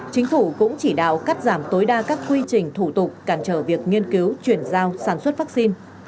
chính phủ cũng chỉ đạo cắt giảm tối đa các quy trình thủ tục cản trở việc nghiên cứu chuyển giao sản xuất vaccine